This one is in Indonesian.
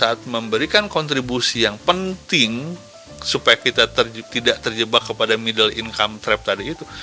saat memberikan kontribusi yang penting supaya kita tidak terjebak kepada middle income trap tadi itu